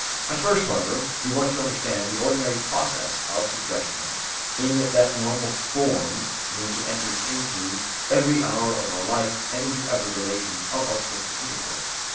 At first, however, we want to understand the ordinary process of suggestion in that normal form in which it enters into every hour of our life and into every relation of our social intercourse.